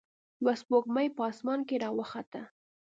یوه سپوږمۍ په اسمان کې راوخته.